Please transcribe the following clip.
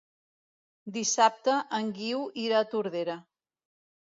Dissabte en Guiu irà a Tordera.